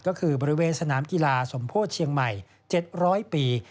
ก็คือบริเวณสนามกีฬาสมโพธิเชียงใหม่๗๐๐ปี